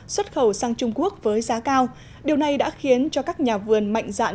xuất khẩu sang trung quốc với giá cao điều này đã khiến cho các nhà vườn mạnh dạn